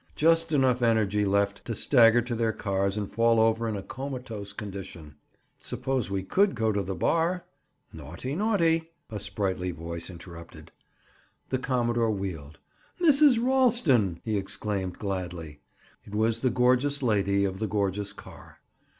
Just enough energy left to stagger to their cars and fall over in a comatose condition." "Suppose we could go to the bar?" "Naughty! Naughty!" A sprightly voice interrupted. The commodore wheeled. "Mrs. Ralston!" he exclaimed gladly. It was the gorgeous lady of the gorgeous car.